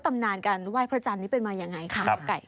ตำนานการไหว้พระจันทร์นี้เป็นมายังไงคะหมอไก่